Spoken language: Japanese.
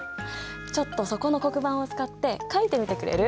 ちょっとそこの黒板を使って描いてみてくれる？